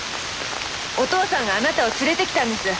お義父さんがあなたを連れてきたんです。